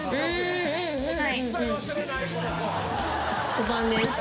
⑤番です。